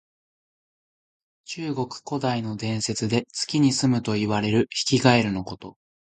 中国古代の伝説で、月にすむといわれるヒキガエルのこと。